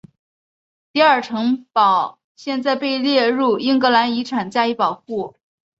迪尔城堡现在被列入英格兰遗产加以保护。